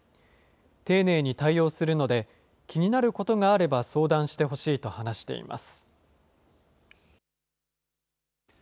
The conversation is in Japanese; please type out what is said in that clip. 丁寧に対応するので、気になることがあれば相談してほしいと話しています。